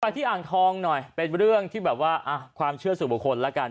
ที่อ่างทองหน่อยเป็นเรื่องที่แบบว่าความเชื่อสู่บุคคลแล้วกัน